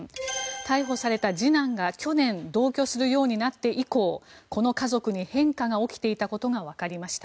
逮捕された次男が去年、同居するようになって以降この家族に変化が起きていたことがわかりました。